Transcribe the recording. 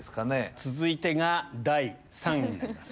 続いてが第３位になります。